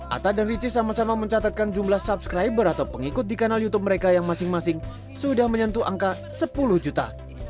atta dan ricis sama sama mencatatkan jumlah subscriber atau pengikut di kanal youtube mereka yang masing masing sudah menyentuh angka sepuluh juta